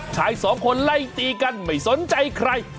ชายสองคนไล่ตีกันไม่สนใจใคร